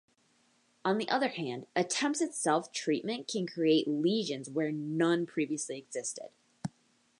On the other hand, attempts at self-treatment can create lesions where none previously existed.